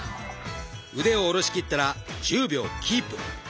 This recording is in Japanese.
腕を下ろしきったら１０秒キープ。